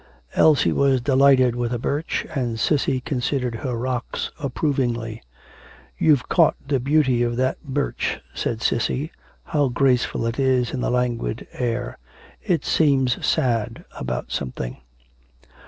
Elsie was delighted with her birch, and Cissy considered her rocks approvingly. 'You've caught the beauty of that birch,' said Cissy. 'How graceful it is in the languid air. It seems sad about something.'